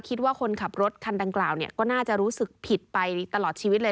คิดว่าคนขับรถคันดังกล่าวก็น่าจะรู้สึกผิดไปตลอดชีวิตเลย